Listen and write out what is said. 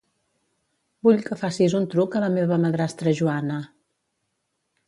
Vull que facis un truc a la meva madrastra Joana.